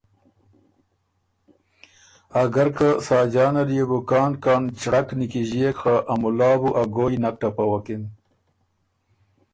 اګر که ساجان ال يې بو کان کان چړک نیکِݫيېک، خه ا مُلال بُو ا ګویٛ نک ټَپَوکِن۔